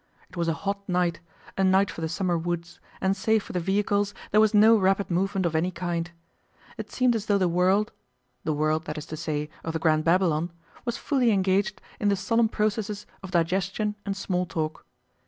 It was a hot night, a night for the summer woods, and save for the vehicles there was no rapid movement of any kind. It seemed as though the world the world, that is to say, of the Grand Babylon was fully engaged in the solemn processes of digestion and small talk.